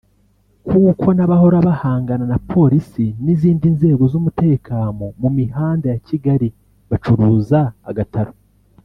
kuko n’abahora bahangana na polisi n’izindi nzego z’umutekamo mu mihanda ya Kigali bacuruza agataro